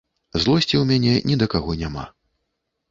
Злосці ў мяне ні да каго няма.